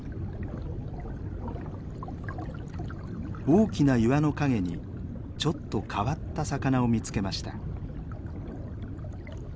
大きな岩の陰にちょっと変わった魚を見つけました。